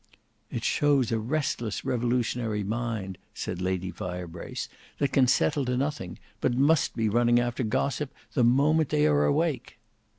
"It shows a restless revolutionary mind," said Lady Firebrace, "that can settle to nothing; but must be running after gossip the moment they are awake."